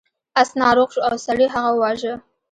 اس ناروغ شو او سړي هغه وواژه.